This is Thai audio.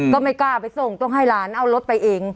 ก็ไม่กล้าไปส่งต้องให้หลานเอารถไปเอง